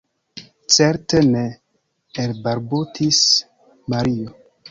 Certe ne, elbalbutis Mario.